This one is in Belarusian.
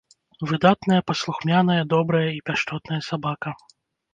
Выдатная паслухмяная, добрая і пяшчотная сабака.